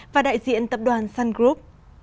và đại diện tập đoàn sun group